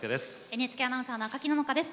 ＮＨＫアナウンサーの赤木野々花です。